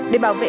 để bảo vệ